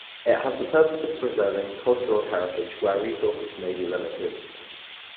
It has the purpose of preserving cultural heritage where resources may be limited.